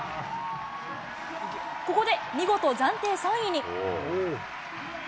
ここで見事暫定３位に。